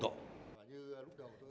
như lúc đầu tôi